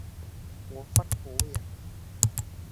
หัวฟัดหัวเหวี่ยง